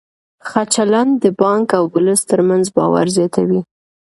ښه چلند د بانک او ولس ترمنځ باور زیاتوي.